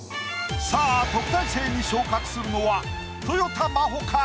さあ特待生に昇格するのはとよた真帆か？